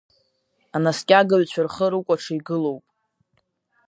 Анаскьагаҩцәа рхы рыкәаҽы игылоуп.